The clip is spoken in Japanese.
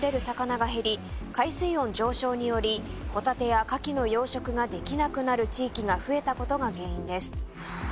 海水温上昇によりホタテやカキの養殖ができなくなる地域が増えたことが原因です。